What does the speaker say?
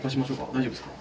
大丈夫ですか？